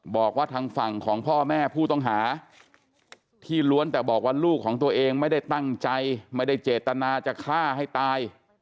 บอกว่าทางฝั่งของพ่อแม่ผู้ต้องหาที่ล้วนแต่บอกว่าลูกของตัวเองไม่ได้ตั้งใจไม่ได้เจตนาจะฆ่าให้ตาย